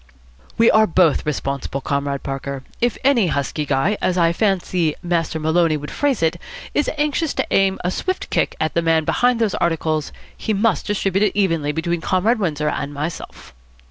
"We are both responsible, Comrade Parker. If any husky guy, as I fancy Master Maloney would phrase it, is anxious to aim a swift kick at the man behind those articles, he must distribute it evenly between Comrade Windsor and myself."